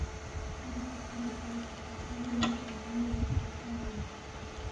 تنگسے کھون٘ی زیرس، ن٘تی یُولِنگ آدمی بُوژھے تھونسنگ